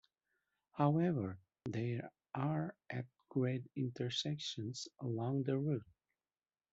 However, there are at-grade intersections along the route.